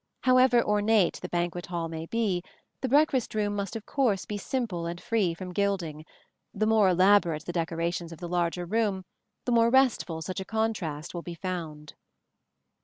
However ornate the banquet hall may be, the breakfast room must of course be simple and free from gilding: the more elaborate the decorations of the larger room, the more restful such a contrast will be found.